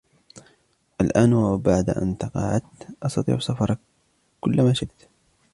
الآن وبعد أن تقاعدت، أستطيع السفر كلما شئت.